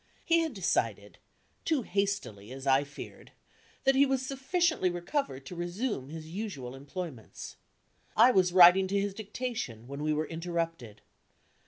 He had decided too hastily, as I feared that he was sufficiently recovered to resume his usual employments. I was writing to his dictation, when we were interrupted.